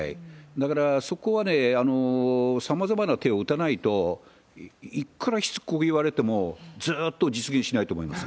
だから、そこはね、さまざまな手を打たないと、いくらしつこく言われても、ずーっと実現しないと思います。